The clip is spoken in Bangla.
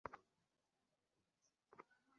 গোটা একটা জগতের সাক্ষী এখনো হয়ে ওঠোনি, তবে তুমি হবে।